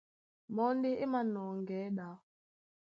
Mɔ́ ndé é mānɔŋgɛɛ́ ɗá.